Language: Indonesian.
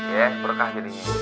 ya berkah jadinya